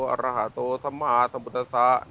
อรหาโตสมาสมพุทธศาสตร์